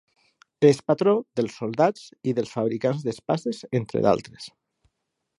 És patró dels soldats i dels fabricants d'espases entre d'altres.